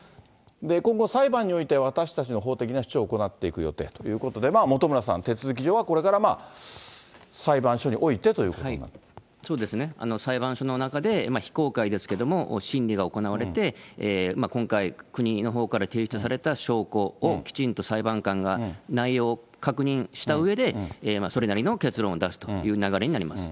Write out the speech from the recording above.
今後、裁判において私たちの法的な主張を行っていく予定ということで、本村さん、手続き上はこれからまあ、裁判所においてということにそうですね。裁判所の中で非公開ですけれども、審理が行われて、今回、国のほうから提出された証拠をきちんと裁判官が内容を確認したうえで、それなりの結論を出すという流れになります。